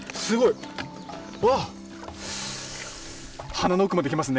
鼻の奥まで来ますね。